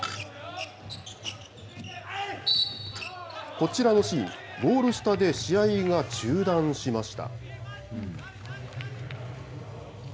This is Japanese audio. こちらのシーン、ゴール下で試合が中断しました。